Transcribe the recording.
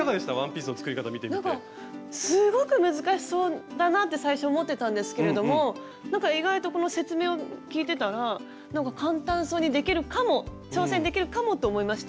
なんかすごく難しそうだなって最初思ってたんですけれどもなんか意外とこの説明を聞いてたら簡単そうにできるかも挑戦できるかもと思いましたはい。